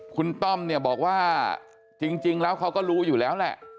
คุณต้อมเนี่ยบอกว่าจริงแล้วเขาก็รู้อยู่แล้วแหละ